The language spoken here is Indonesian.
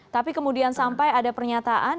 tapi kemudian sampai ada pernyataan